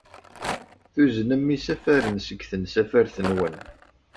Tuznem isafaren seg tensafart-nwen.